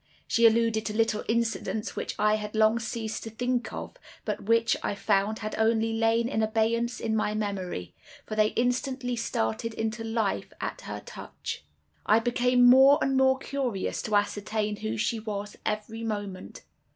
She alluded to little incidents which I had long ceased to think of, but which, I found, had only lain in abeyance in my memory, for they instantly started into life at her touch. "I became more and more curious to ascertain who she was, every moment.